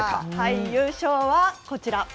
優勝はこちら。